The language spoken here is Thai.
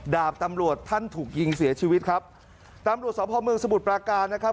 ดาบตำรวจท่านถูกยิงเสียชีวิตครับตำรวจสพเมืองสมุทรปราการนะครับ